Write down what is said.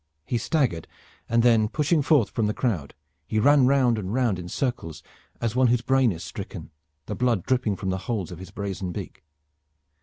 He staggered, and then pushing forth from the crowd, he ran round and round in circles as one whose brain is stricken, the blood dripping from the holes of his brazen beak.